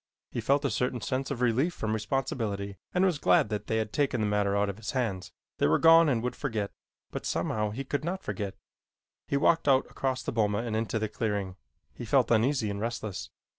He felt a certain sense of relief from responsibility and was glad that they had taken the matter out of his hands. They were gone and would forget, but somehow he could not forget. He walked out across the boma and into the clearing. He felt uneasy and restless.